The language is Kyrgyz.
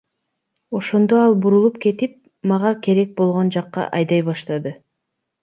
Ошондо ал бурулуп кетип, мага керек болгон жакка айдай баштады.